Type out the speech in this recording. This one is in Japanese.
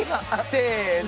せの！